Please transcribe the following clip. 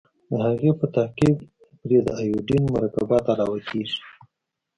د هغې په تعقیب پرې د ایوډین مرکبات علاوه کیږي.